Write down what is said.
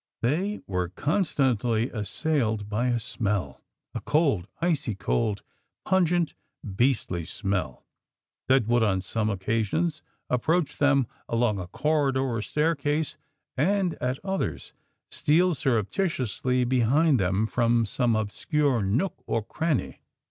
They were constantly assailed by a SMELL a cold, icy cold, pungent, beastly smell, that would on some occasions approach them along a corridor or staircase, and at others steal surreptitiously behind them from some obscure nook or cranny.